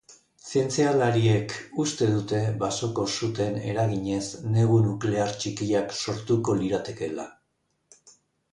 Zientzialariek uste dute basoko-suteen eraginez negu nuklear txikiak sortuko liratekeela.